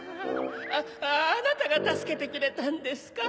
あなたがたすけてくれたんですか？